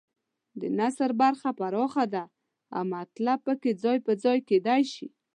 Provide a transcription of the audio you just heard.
د نثر برخه پراخه ده او مطلب پکې ځای پر ځای کېدای شي.